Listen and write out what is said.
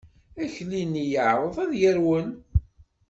Akli-nni yeεreḍ ad yerwel.